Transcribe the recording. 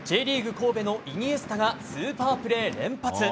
神戸のイニエスタがスーパープレー連発。